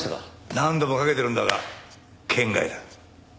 何度もかけてるんだが圏外だ。